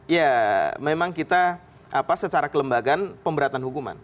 ya memang kita secara kelembagaan pemberatan hukuman